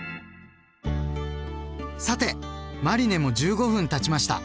さてマリネも１５分たちました。